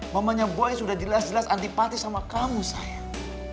mamanya boy sudah jelas jelas antipati sama kamu sayang